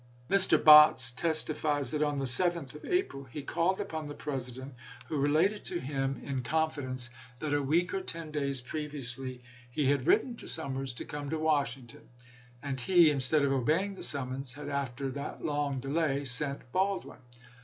Mr. Botts testifies that on the 7th of April he called upon the President, who related to him, in 424 ABRAHAM LINCOLN ch.xxv. confidence, that a week or ten days previously he had written to Summers to come to Washing ton, and he, instead of obeying the summons, had, after that long delay, sent Baldwin.